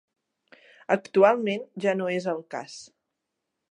Actualment ja no és el cas.